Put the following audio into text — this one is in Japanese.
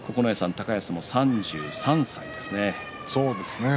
高安も３３歳ですね。